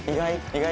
意外？